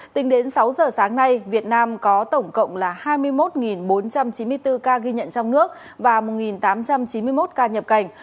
tính đến sáu giờ sáng nay việt nam có tổng cộng là hai mươi một bốn trăm chín mươi bốn ca ghi nhận trong nước và một tám trăm chín mươi một ca nhập cảnh